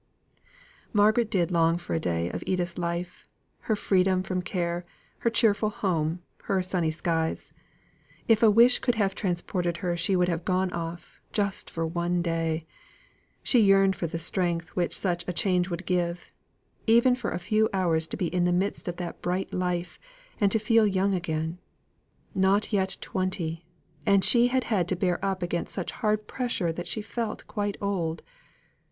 Margaret did long for a day of Edith's life her freedom from care, her cheerful home, her sunny skies. If a wish could have transported her, she would have gone off; just for one day. She yearned for the strength which such a change would give even for a few hours to be in the midst of that bright life, and to feel young again. Not yet twenty! and she had had to bear up against such hard pressure that she felt quite old.